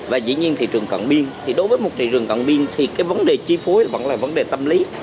và dĩ nhiên thị trường cận biên thì đối với một thị trường cộng biên thì cái vấn đề chi phối vẫn là vấn đề tâm lý